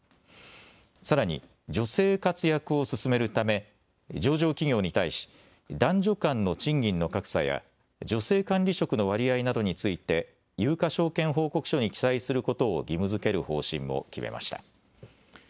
さらに女性活躍を進めるため上場企業に対し男女間の賃金の格差や女性管理職の割合などについて有価証券報告書に記載することを義務づける方針も決めました。